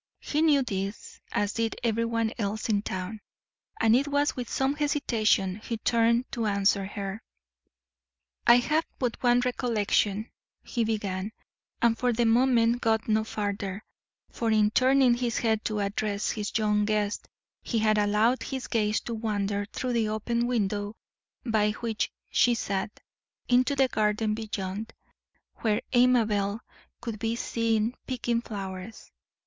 He knew this, as did everyone else in town, and it was with some hesitation he turned to answer her. "I have but one recollection," he began, and for the moment got no farther, for in turning his head to address his young guest he had allowed his gaze to wander through the open window by which she sat, into the garden beyond, where Amabel could be seen picking flowers.